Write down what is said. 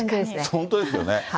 本当ですね。